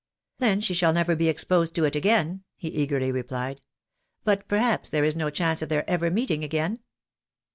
" Then she shall never be exposed to it again," he eagerly rephed. " But, perhaps, there is no chance of their ever meeting again